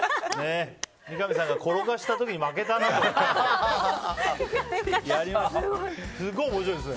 三上さんが転がした時に負けたなと思ったんです。